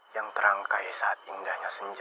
yang terangkai saat indahnya senjata